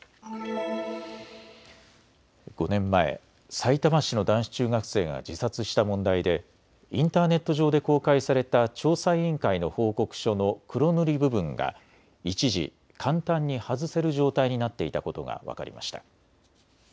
５年前、さいたま市の男子中学生が自殺した問題でインターネット上で公開された調査委員会の報告書の黒塗り部分が一時、簡単に外せる状態になっていたことが分かりました。